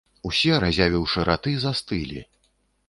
Усе, разявіўшы раты, застылі.